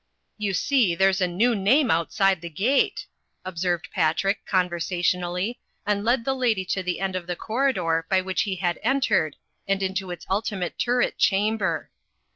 "You see there's a new name outside the gate," observed Patrick, conversationally, and led the lady to the end of the corridor by which he had entered and into its ultimate turret chamber.